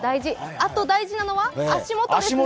あと大事なのは足元ですね。